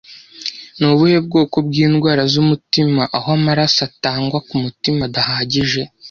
Ni ubuhe bwoko bw'indwara z'umutima aho amaraso atangwa ku mutima adahagije